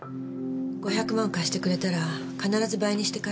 ５００万貸してくれたら必ず倍にして返すって。